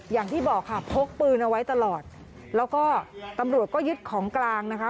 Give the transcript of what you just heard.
อย่างที่บอกค่ะพกปืนเอาไว้ตลอดแล้วก็ตำรวจก็ยึดของกลางนะคะ